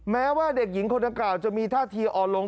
แม้ว่าเด็กหญิงคนดังกล่าวจะมีท่าทีอ่อนลง